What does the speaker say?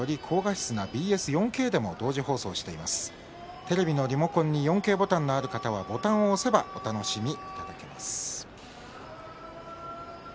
テレビのリモコンに４Ｋボタンがある方はボタンを押せばＢＳ４Ｋがお楽しみいただけます。